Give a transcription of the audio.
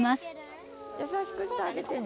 優しくしてあげてね